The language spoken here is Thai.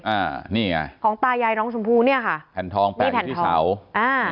อ่านี่ไงของตายายน้องชมพู่เนี่ยค่ะแผ่นทองปูแผ่นที่เสาอ่า